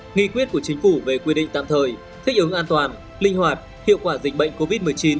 nghị quyết của chính phủ về quy định tạm thời thích ứng an toàn linh hoạt hiệu quả dịch bệnh covid một mươi chín